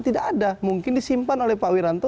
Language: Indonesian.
tidak ada mungkin disimpan oleh pak wiranto